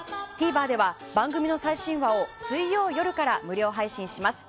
ＴＶｅｒでは番組の最新話を水曜夜から無料配信します。